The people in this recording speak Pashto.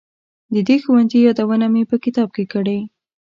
د دې ښوونځي یادونه مې په کتاب کې کړې.